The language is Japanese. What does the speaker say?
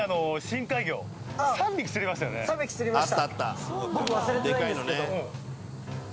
３匹釣りました。